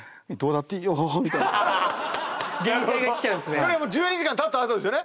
それはもう１２時間たったあとですよね？